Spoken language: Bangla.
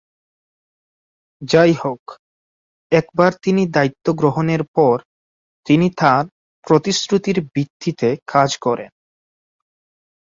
যাইহোক, একবার তিনি দায়িত্ব গ্রহণের পর, তিনি তাঁর প্রতিশ্রুতির ভিত্তিতে কাজ করেন।